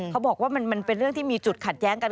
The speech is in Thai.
เขาบอกว่ามันเป็นเรื่องที่มีจุดขัดแย้งกัน